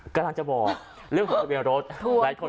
กำลังจะบอกเรื่องของทะเบียร์รถ